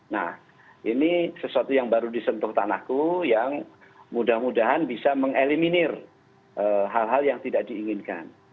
nah ini sesuatu yang baru disentuh tanahku yang mudah mudahan bisa mengeliminir hal hal yang tidak diinginkan